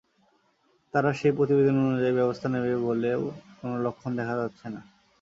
তারা সেই প্রতিবেদন অনুযায়ী ব্যবস্থা নেবে বলেও কোনো লক্ষণ দেখা যাচ্ছে না।